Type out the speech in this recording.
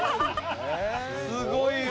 すごいわ。